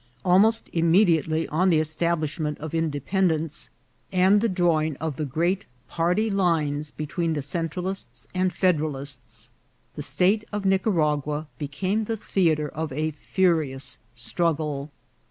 Almost immediately on the establishment of inde SCENESOFHORROR. 25 pendence, and the drawing of the great party lines be tween the Centralists and Federalists, the State of Nic aragua became the theatre of a furious struggle.